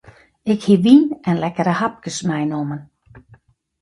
Ik hie wyn en lekkere hapkes meinommen.